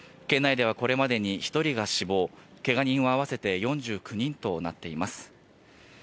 県内ではこれまでに１人が死亡、けが人合わせて４９人となっています。